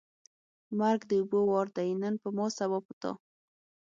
ـ مرګ د اوبو وار دی نن په ما ، سبا په تا.